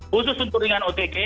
khusus untuk dengan otg